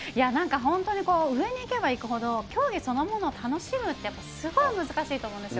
本当に上にいけばいくほど、競技そのものを楽しむってすごい難しいと思うんですよ。